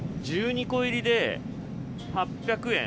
１２個入りで８００円。